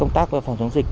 công tác phòng chống dịch